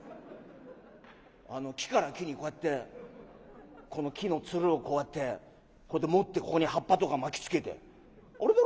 木から木にこうやってこの木のツルをこうやってこうやって持ってここに葉っぱとか巻きつけて。